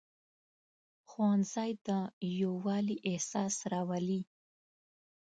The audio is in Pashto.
ښوونځی د یووالي احساس راولي